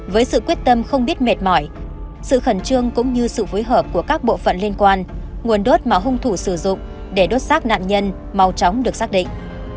với sự quyết tâm không biết mệt mỏi sự khẩn trương cũng như sự phối hợp của các bộ phận liên quan nguồn đốt mà hung thủ sử dụng để đốt xác nạn nhân màu tróng được xác định